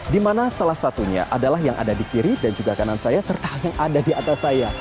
di mana salah satunya adalah yang ada di kiri dan juga kanan saya serta yang ada di atas saya